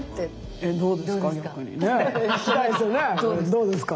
どうですか？